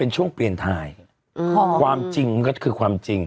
เป็นช่วงเปลี่ยนทายเออความื่นก็คือความจริง